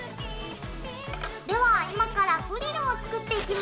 では今からフリルを作っていきます。